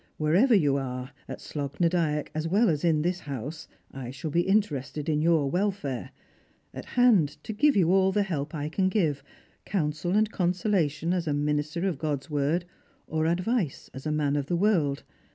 Wherever you are, at Slogh na Dyagk as well as in this house, I shall be interested in your welfare ; at hand to give you all the help I can give, counsel and consolation as a minister of God's word, or advice as a man of the world.